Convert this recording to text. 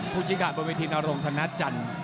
ภูชิกาบนวิธีนรงค์ธนะจันทร์